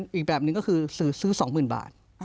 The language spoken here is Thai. กลุ่มอีกแบบนึงก็คือซื้อสองหมื่นบาท